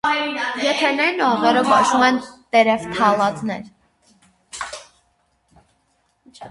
Եթերներն ու աղերը կոչվում են տերեֆթալատներ։